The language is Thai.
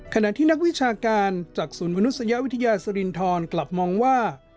ขณะที่นักวิชาการจากศูนย์มนุษยวิทยาสรินทรกลับมองว่า